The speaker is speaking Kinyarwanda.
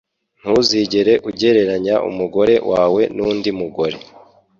Ntuzigere ugereranya umugore wawe nundi mugore.